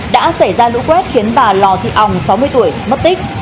đã xảy ra lũ quét khiến bà lò thị ong sáu mươi tuổi mất tích